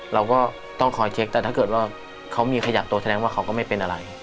เราก็ต้องคอยเช็คแต่ถ้าเกิดว่าเขามีขยะตัวแสดงว่าเขาก็ไม่เป็นอะไร